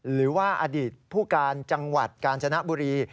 หรือว่าอดีตผู้การจังหวัดกาญจนบุรี